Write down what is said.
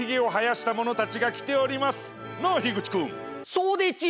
そうでちゅ。